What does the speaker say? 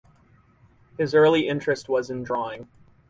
His early interest was in drawing.